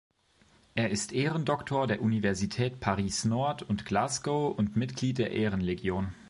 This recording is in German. Er ist Ehrendoktor der Universität Paris-Nord und Glasgow und Mitglied der Ehrenlegion.